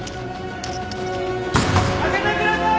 ・開けてください。